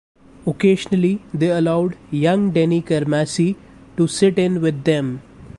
Occasionally they allowed young Denny Carmassi to sit in with them.